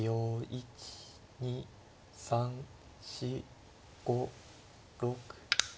１２３４５６７８。